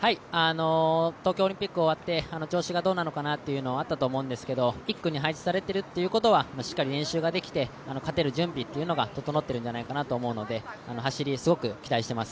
東京オリンピックが終わって調子がどうなのかなというのはあったと思うんですが、１区に配置されているということは、しっかり練習ができて勝てる準備が整っているんじゃないかなと思うので走り、すごく期待しています。